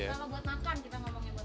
kalau buat makan kita ngomongnya buat makan